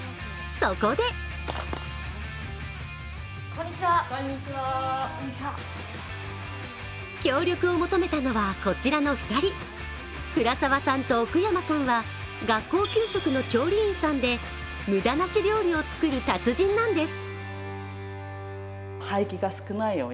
そこで強力を求めたのは、こちらの２人倉沢さんと奥山さんは学校給食の調理員さんで、無駄なし料理を作る達人なんです。